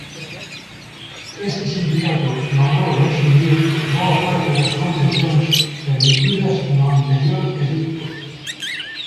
Este sindicato logrou rescindir boa parte das concesións permitidas no anterior edicto.